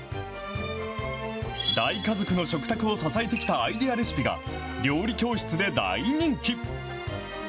大家族の食卓を支えてきたアイデアレシピが、料理教室で大人気。